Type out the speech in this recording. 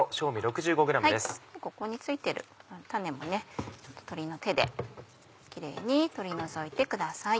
ここに付いてる種も手でキレイに取り除いてください。